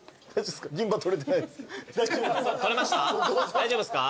大丈夫ですか？